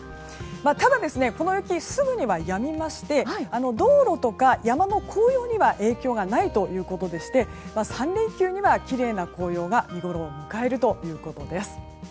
ただ、この雪すぐにやみまして道路とか山の紅葉には影響がないということでして３連休にはきれいな紅葉が見ごろを迎えるということです。